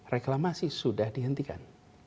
reklamasi sudah dihentikan